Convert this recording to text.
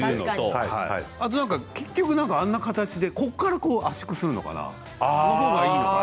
結局あんな形で、こうやって圧縮するのかな？